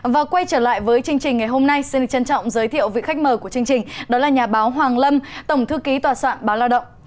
và quay trở lại với chương trình ngày hôm nay xin được trân trọng giới thiệu vị khách mời của chương trình đó là nhà báo hoàng lâm tổng thư ký tòa soạn báo lao động